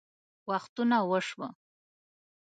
وختونه وشوه